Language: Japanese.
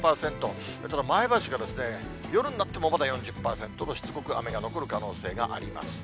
ただ前橋は夜になってもまだ４０％としつこく雨が残る可能性があります。